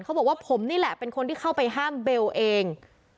เขาบอกว่าผมนี่แหละเป็นคนที่เข้าไปห้ามเบลเอง